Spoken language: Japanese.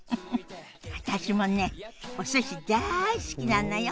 私もねお寿司だい好きなのよ。